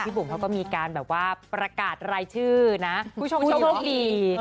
บุ๋มเขาก็มีการแบบว่าประกาศรายชื่อนะคุณผู้ชมโชคดี